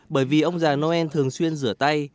bởi vì ông già noel thường xuyên rửa tay